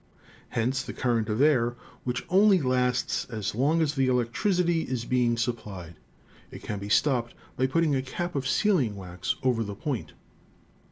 Hence the current of air, which only lasts as long as the electricity is being supplied. It can be stopped by putting a cap of sealing wax over the point."